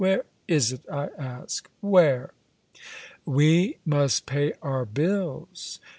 Where is it, I ask where?" "We must pay our bills."